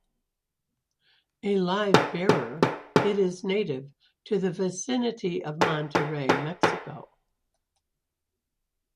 A live-bearer, it is native to the vicinity of Monterrey, Mexico.